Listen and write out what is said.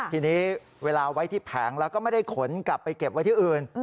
ทีนี้เวลาไว้ที่แผงแล้วก็ไม่ได้ขนกลับไปเก็บไว้ที่อื่น